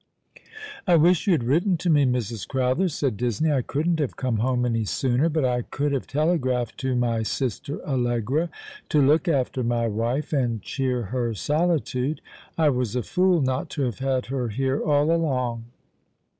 ''I wish you had written to me, Mrs. Crowther," said Disney. " I couldn't have come home any sooner, but I could have telegraphed to my sister Allegra to look after my wife, and cheer her solitude. I was a fool not to have had her here all along."